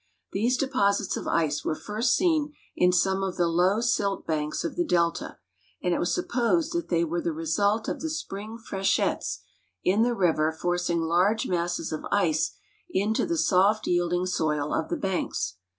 These deposits of ice Avere first seen in some of the loAv silt banks of the delta, and it Avas supposed that they Avere the result of the spring freshets in the river forcing large masses of ice into the soft, yielding soil of the banks.